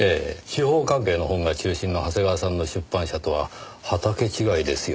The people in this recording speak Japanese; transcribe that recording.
司法関係の本が中心の長谷川さんの出版社とは畑違いですよね。